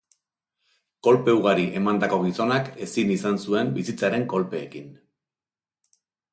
Kolpe ugari emandako gizonak ezin izan zuen bizitzaren kolpeekin.